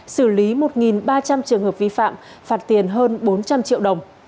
xử lý một ba trăm linh trường hợp vi phạm phạt tiền hơn bốn trăm linh triệu đồng